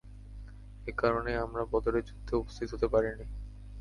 একারণেই আমরা বদরের যুদ্ধে উপস্থিত হতে পারিনি।